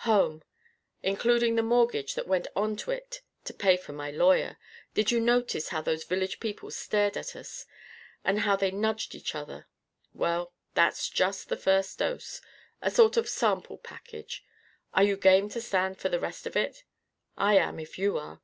"Home including the mortgage that went on to it to pay for my lawyer. Did you notice how those village people stared at us, and how they nudged each other? Well, that's just the first dose. A sort of sample package. Are you game to stand for the rest of it? I am, if you are."